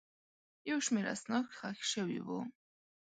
یو شمېر اسناد ښخ شوي وو.